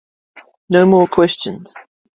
No more questions.